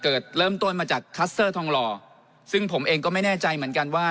เริ่มต้นมาจากคัสเตอร์ทองหล่อซึ่งผมเองก็ไม่แน่ใจเหมือนกันว่า